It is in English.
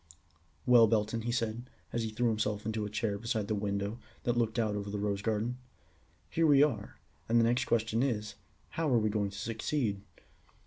"Well, Belton," he said, as he threw himself into a chair beside the window that looked out over the rose garden, "here we are, and the next question is, how are we going to succeed?"